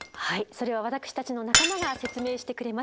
それは私たちの仲間が説明してくれます。